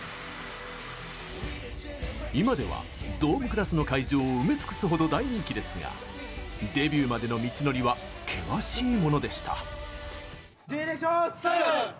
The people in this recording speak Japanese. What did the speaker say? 今ではドームクラスの会場を埋め尽くすほど大人気ですがデビューまでの道のりは険しいものでした。